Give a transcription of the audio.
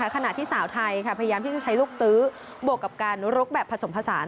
ขณะที่สาวไทยพยายามที่จะใช้ลูกตื้อบวกกับการรกแบบผสมผสาน